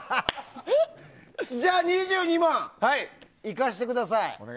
じゃあ２２万いかせてください。